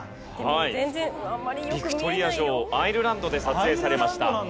ヴィクトリア女王アイルランドで撮影されました。